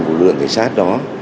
của lực lượng cảnh sát đó